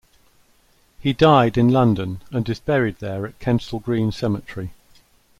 He died in London, and is buried there at Kensal Green Cemetery.